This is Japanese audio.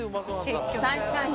確かに！